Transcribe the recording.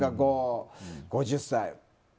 ５０歳。